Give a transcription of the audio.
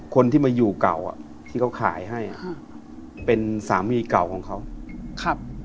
คนที่มาอยู่เก่าที่เขาขายให้เป็นสามีเก่าของเขา